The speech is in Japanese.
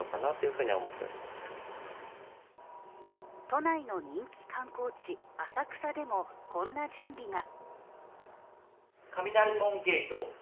都内の人気観光地、浅草でもこんな準備が。